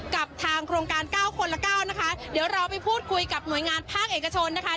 กับทางโครงการเก้าคนละเก้านะคะเดี๋ยวเราไปพูดคุยกับหน่วยงานภาคเอกชนนะคะ